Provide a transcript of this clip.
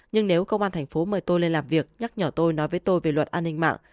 nhưng nếu công an thành phố mời tôi lên làm việc nhắc nhở tôi nói với tôi về luật an ninh mạng